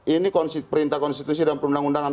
ini perintah konstitusi dan perundang undangan